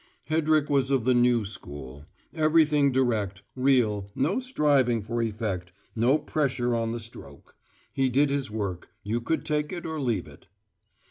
Hedrick was of the New School: everything direct, real, no striving for effect, no pressure on the stroke. He did his work: you could take it or leave it.